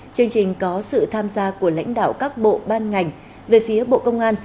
chương trình có sự tham gia của lãnh đạo các bộ ban ngành về phía bộ công an